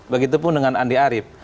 begitupun dengan andi arief